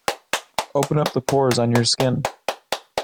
Open up the pores on your skin.